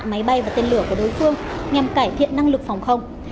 máy bay và tên lửa của đối phương nhằm cải thiện năng lực phòng không